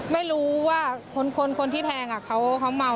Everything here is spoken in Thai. ไม่รู้ว่าคนที่แทงเขาเมา